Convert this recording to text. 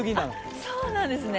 あっそうなんですね。